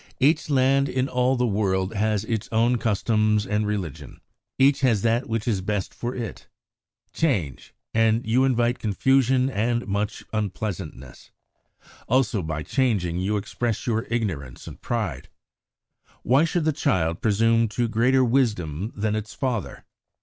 Each land in all the world has its own customs and religion. Each has that which is best for it. Change, and you invite confusion and much unpleasantness. Also by changing you express your ignorance and pride. Why should the child presume to greater wisdom than its father?